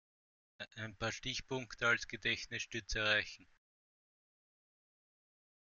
Ein paar Stichpunkte als Gedächtnisstütze reichen.